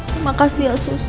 terima kasih ya sus